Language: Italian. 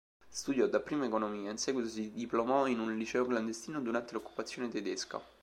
Studiò dapprima economia, in seguito si diplomò in un liceo clandestino durante l'occupazione tedesca.